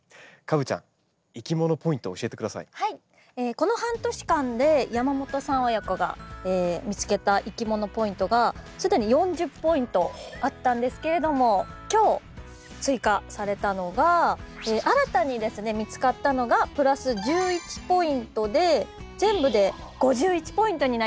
この半年間で山本さん親子が見つけたいきものポイントがすでに４０ポイントあったんですけれども今日追加されたのが新たにですね見つかったのがプラス１１ポイントで全部で５１ポイントになりました。